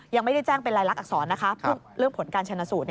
ยังไม่ได้แจ้งเป็นรายลักษรนะคะเรื่องผลการชนะสูตร